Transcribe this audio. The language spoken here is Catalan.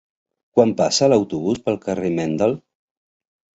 Quan passa l'autobús pel carrer Mendel?